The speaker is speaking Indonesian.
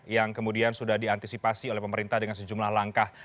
yang kemudian sudah diantisipasi oleh pemerintah dengan sejumlah langkah